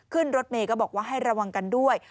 ขึ้นรถเมย์ก็บอกว่าให้ระวังกันด้วย